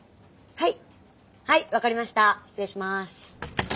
はい？